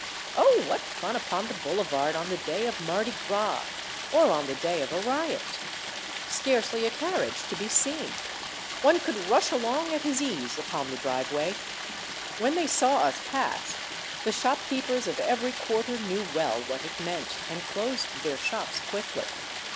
Oh ! what fun upon the boulevard on the day of mardi gras or on the day of a riot ! Scarcely a carriage to be seen. One could rush along at his ease upon the driveway. When they saw us pass, the shopkeepers of every quarter knew well what it meant, and closed their shops quickly.